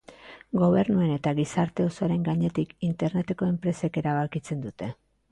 Gobernuen eta gizarte osoaren gainetik Interneteko enpresek erabakitzen dute.